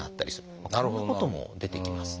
こんなことも出てきます。